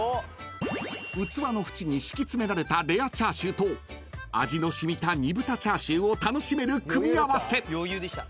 ［器の縁に敷き詰められたレアチャーシューと味の染みた煮豚チャーシューを楽しめる組み合わせ］